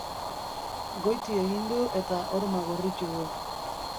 Goiti egin du eta horma gorritu du.